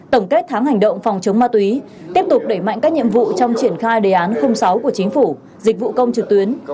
tổng kết tháng hành động phòng chống ma túy tiếp tục đẩy mạnh các nhiệm vụ trong triển khai đề án sáu của chính phủ dịch vụ công trực tuyến